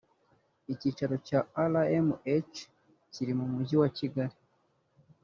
icyicaro cya rmh kiri mu mujyi wa kigali